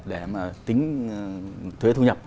để mà tính thuế thu nhập